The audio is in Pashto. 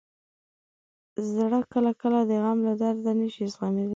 زړه کله کله د غم له درده نه شي زغملی.